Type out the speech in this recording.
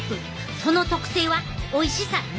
その特性はおいしさ６．３倍や！